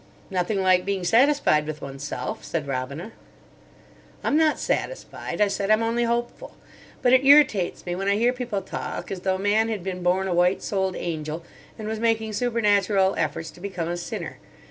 "Nothing like being satisfied with oneself," said Robina. "I'm not satisfied," I said; "I'm only hopeful. But it irritates me when I hear people talk as though man had been born a white souled angel and was making supernatural efforts to become a sinner.